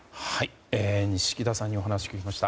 錦田さんにお話を聞きました。